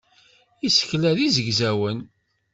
Isekla d izegzawen.